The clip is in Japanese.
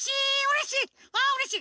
うれしい！